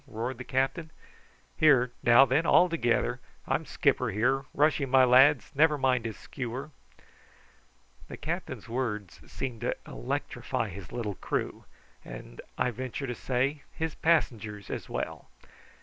roared the captain. "Here, now then, all together. I'm skipper here. Rush him, my lads; never mind his skewer." The captain's words seemed to electrify his little crew, and, I venture to say, his passengers as well.